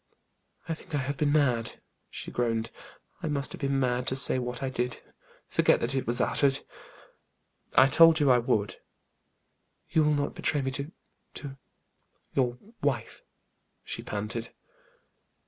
"I think I have been mad," she groaned. "I must have been mad to say what I did. Forget that it was uttered." "I told you I would." "You will not betray me to to your wife?" she panted.